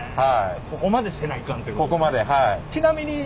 ここまでせないかんってことですね。